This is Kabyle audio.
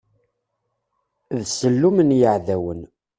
D sellum n yiɛdawen.